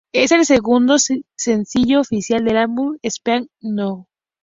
Es el segundo sencillo oficial del álbum "Speak Now".